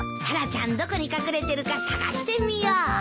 タラちゃんどこに隠れてるか捜してみよう。